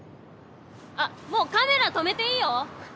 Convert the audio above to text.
あっもうカメラ止めていいよ！